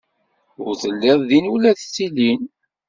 Ur telliḍ din ula d tilin.